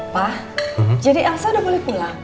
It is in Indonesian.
pak jadi elsa udah pulih pulang